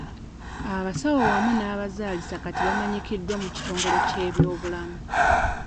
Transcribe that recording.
Abasawo wamu n'abazaalisa kati bamanyikiddwa mu kitongole ky'ebyobulamu.